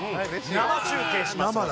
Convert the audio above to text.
生中継しますので。